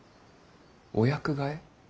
お役替え。